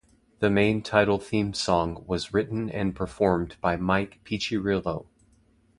The main title theme song was written and performed by Mike Piccirillo.